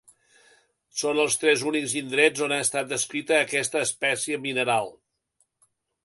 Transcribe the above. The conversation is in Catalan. Són els tres únics indrets on ha estat descrita aquesta espècie mineral.